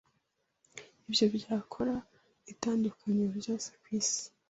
Ibyo byakora itandukaniro ryose kwisi.